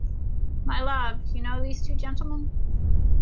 My love, you know these two gentlemen?